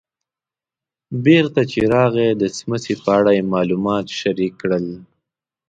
بېرته چې راغی د څمڅې په اړه یې معلومات شریک کړل.